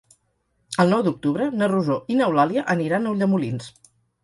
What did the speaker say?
El nou d'octubre na Rosó i n'Eulàlia aniran a Ulldemolins.